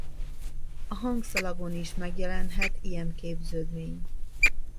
A hangszalagon is megjelenhet ilyen képződmény.